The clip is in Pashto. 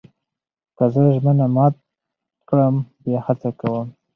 که زه ژمنه مات کړم، بیا هڅه کوم.